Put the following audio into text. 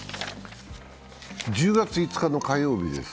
１０月５日の火曜日です。